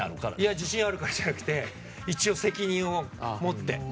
自信あるからじゃなくて一応責任をもって。